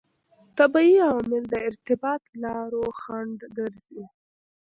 طبیعي عوامل د ارتباط لارو خنډ ګرځي.